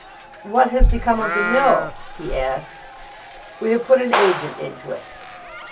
"What has become of the mill?" he asked. "We have put an agent into it."